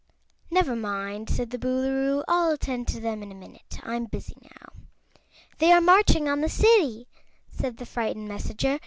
"Never mind," said the Boolooroo, "I'll attend to them in a minute. I'm busy now." "They are marching on the City," said the frightened messenger.